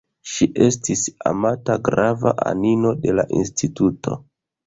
Ŝi estis amata grava anino de la instituto.